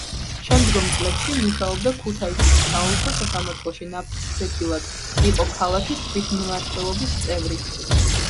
შემდგომ წლებში მუშაობდა ქუთაისის საოლქო სასამართლოში ნაფიც ვექილად; იყო ქალაქის თვითმმართველობის წევრი.